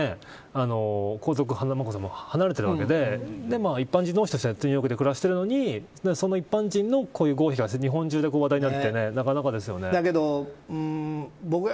だって今は別に皇族を眞子さまも離れているわけで一般人同士でニューヨークで暮らしているのにその一般人の合否が日本中で話題になるってなかなかですよね。